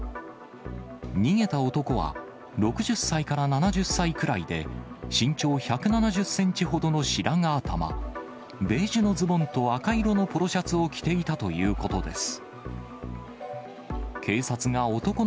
逃げた男は、６０歳から７０歳くらいで、身長１７０センチほどの白髪頭、ベージュのズボンと赤色のポロシャツを着ていたということです。